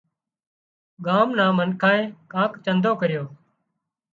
ڳام نان منکانئين ڪانڪ چندو ڪريو